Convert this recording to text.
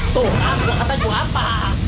tuh aku katanya apa